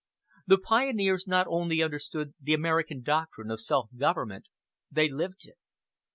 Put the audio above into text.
The pioneers not only understood the American doctrine of self government they lived it.